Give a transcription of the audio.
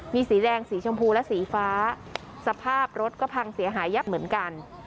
มีสีแดงสีชมพูและสีฟ้าสภาพรถก็พังเสียหายยับเหมือนกัน